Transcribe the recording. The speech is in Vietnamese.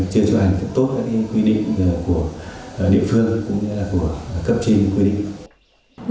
chưa chấp hành tốt cái quy định của địa phương cũng như là của cấp trình quy định